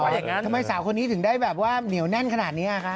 ทำไมสาวคนที่ถึงได้แบบว่าเหนียวแน่นขนาดนี้